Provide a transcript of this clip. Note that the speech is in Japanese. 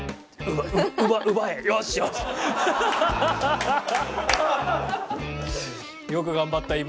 よく頑張った今。